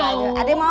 nggak adek mau